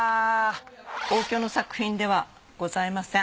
応挙の作品ではございません。